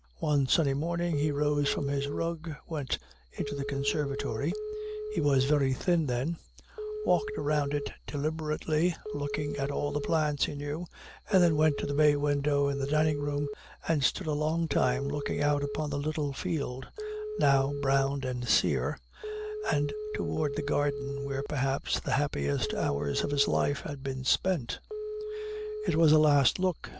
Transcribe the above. One sunny morning, he rose from his rug, went into the conservatory (he was very thin then), walked around it deliberately, looking at all the plants he knew, and then went to the bay window in the dining room, and stood a long time looking out upon the little field, now brown and sere, and toward the garden, where perhaps the happiest hours of his life had been spent. It was a last look.